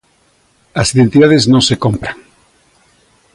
As identidades non se compran.